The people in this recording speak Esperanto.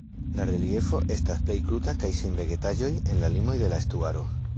La reliefo estas plej kruta kaj sen vegetaĵoj en la limoj de la estuaro.